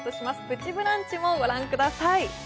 「プチブランチ」もご覧ください。